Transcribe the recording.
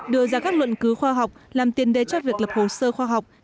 đưa ra các luận cứu khoa học làm tiền đề cho việc lập hồ sơ khoa học